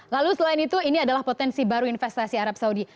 lalu selain itu ini adalah potensi baru investasi arab saudi